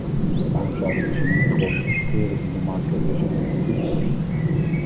Waarom zouden we ze niet gewoon integreren in de markt voor bussen en touringcars?